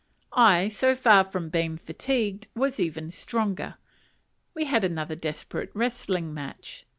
I, so far from being fatigued, was even stronger. We had another desperate wrestling match.